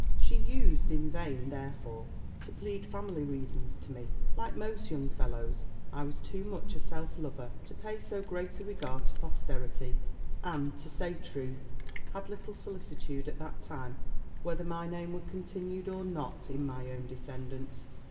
She used in vain therefore to plead family reasons to me: like most young fellows, I was too much a self lover, to pay so great a regard to posterity; and, to say truth, had little solicitude at that time, whether my name were continued or not, in my own descendants.